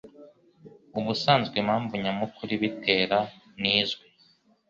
Ubusanzwe impamvu nyamukuru ibitera ntizwi